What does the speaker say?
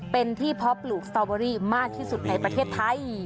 เป็นที่เพาะปลูกสตอเบอรี่มากที่สุดในประเทศไทย